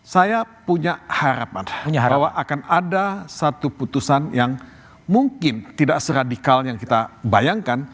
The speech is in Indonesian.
saya punya harapan bahwa akan ada satu putusan yang mungkin tidak seradikal yang kita bayangkan